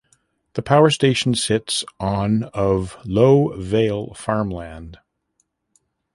The power station sits on of "low vale farmland".